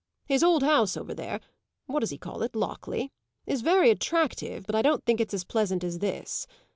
His old house over there what does he call it, Lockleigh? is very attractive; but I don't think it's as pleasant as this.